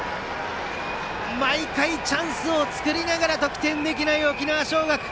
毎回チャンスを作りながら得点できない沖縄尚学。